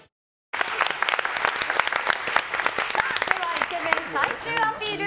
イケメン最終アピール